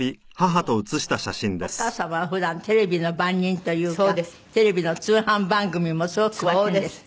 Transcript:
でもお母様は普段テレビの番人というかテレビの通販番組もすごく詳しいんですって？